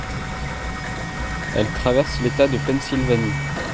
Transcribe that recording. Elle traverse l'État de Pennsylvanie.